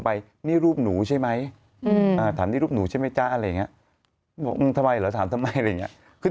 ที่จะได้เงินคืน